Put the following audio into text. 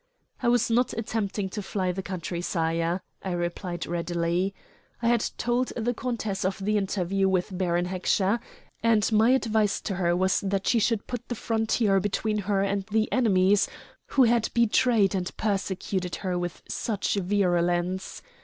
"I was not attempting to fly the country, sire," I replied readily. "I had told the countess of the interview with Baron Heckscher, and my advice to her was that she should put the frontier between her and the enemies who had betrayed and persecuted her with such virulence.